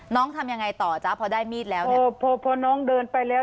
ทำยังไงต่อจ๊ะพอได้มีดแล้วเนี่ยพอน้องเดินไปแล้ว